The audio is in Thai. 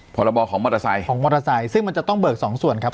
พรบของมอเตอร์ไซค์ซึ่งมันจะต้องเบิก๒ส่วนครับ